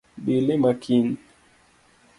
Bi ilima kiny